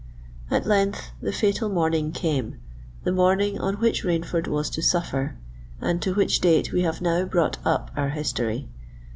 At length the fatal morning came—the morning on which Rainford was to suffer, and to which date we have now brought up our history.